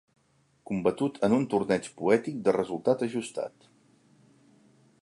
Combatut en un torneig poètic de resultat ajustat.